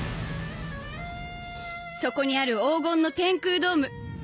そこにある黄金の天空ドーム